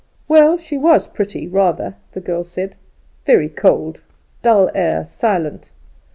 Well, she was pretty, rather, the girl said; very cold, dull air, silent.